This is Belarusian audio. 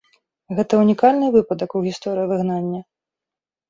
Гэта унікальны выпадак у гісторыі выгнання.